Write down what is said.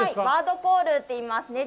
バードコールっていいます。